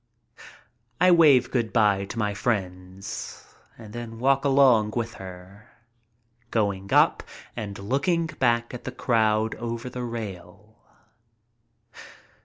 I wave good by to my friends and then walk along with her, going up and looking back at the crowd over the rail.